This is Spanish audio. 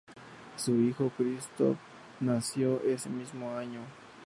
Su hijo Christoph nació ese mismo año.